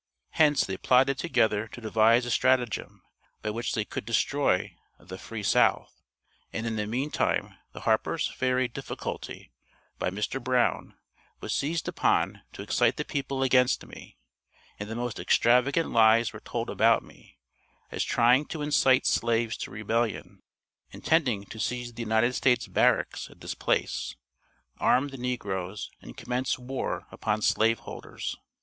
Hence they plotted together to devise a stratagem by which they could destroy The Free South, and in the meantime the Harper's Ferry difficulty, by Mr. Brown, was seized upon to excite the people against me, and the most extravagant lies were told about me, as trying to excite slaves to rebellion; intending to seize the United States barracks at this place, arm the negroes, and commence war upon slave holders.